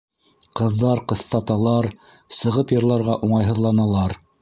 Ҡыҙҙар ҡыҫтаталар, сығып йырларға уңайһыҙланалар.